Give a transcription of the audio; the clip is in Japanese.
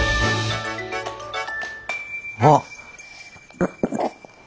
あっ。